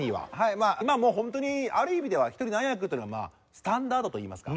まあもうホントにある意味では１人何役というのはまあスタンダードといいますか。